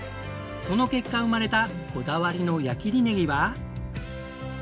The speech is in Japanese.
その結果生まれたこだわりの矢切ねぎは。